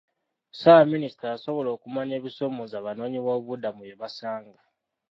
Ssaabaminisita yasobola okumanya ebisoomooza abanoonyiboobubudamu bye basanga.